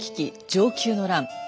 承久の乱。